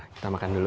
kita makan dulu